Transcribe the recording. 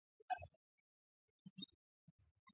ndipo matangazo hayo yaliongezewa dakika nyingine thelathini na